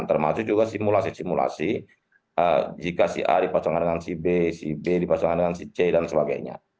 termasuk juga simulasi simulasi jika si a dipasangkan dengan si b si b dipasangkan dengan si c dan sebagainya